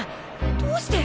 どうして！？